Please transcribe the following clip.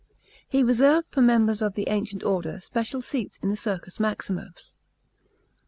He reserved for members of that ancient order special seats in the Circus Maxinms.